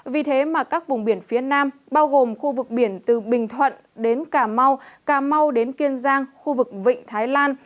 phần phía nam bao gồm khu vực biển từ bình thuận đến cà mau cà mau đến kiên giang khu vực vịnh thái lan